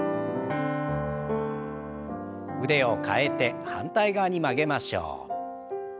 腕を替えて反対側に曲げましょう。